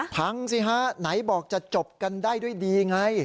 สิฮะไหนบอกจะจบกันได้ด้วยดีไง